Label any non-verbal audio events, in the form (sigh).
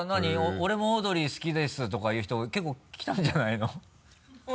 「俺もオードリー好きです」とか言う人結構来たんじゃないの？ (laughs)